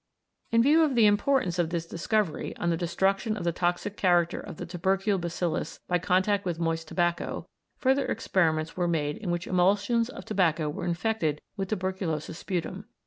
In view of the importance of this discovery on the destruction of the toxic character of the tubercle bacillus by contact with moist tobacco, further experiments were made in which emulsions of tobacco were infected with tuberculous sputum.